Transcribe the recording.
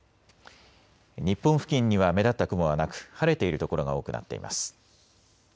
日本付近には目立った雲はなく晴れている所が多くなっています。